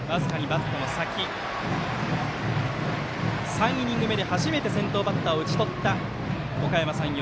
３イニング目で初めて先頭バッターを打ち取ったおかやま山陽